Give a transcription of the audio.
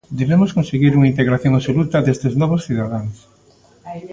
Debemos conseguir unha integración absoluta destes novos cidadáns.